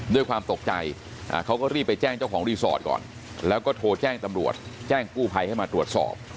ด้วยความตกใจเขาก็รีบไปแจ้งเจ้าของรีสอร์ทก่อนแล้วก็โทรแจ้งตำรวจแจ้งกู้ภัยให้มาตรวจสอบ